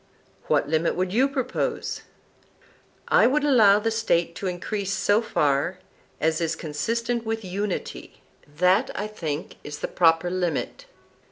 What limit would you propose? I would allow the State to increase so far as is consistent with unity; that, I think, is the proper limit.